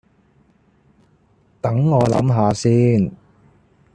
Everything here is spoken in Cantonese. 等我諗吓先